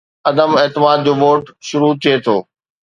عدم اعتماد جو ووٽ شروع ٿئي ٿو